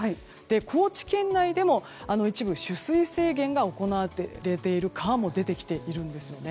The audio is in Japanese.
高知県内でも一部、取水制限が行われている川も出てきています。